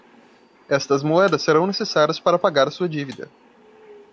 Estas moedas serão necessárias para pagar sua dívida.